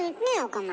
岡村。